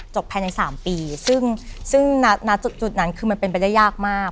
ภายใน๓ปีซึ่งณจุดนั้นคือมันเป็นไปได้ยากมาก